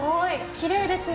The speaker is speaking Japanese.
きれいですね。